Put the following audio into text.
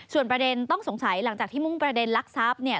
ส่วนประเด็นต้องสงสัยหลังจากที่มุ่งประเด็นลักทรัพย์เนี่ย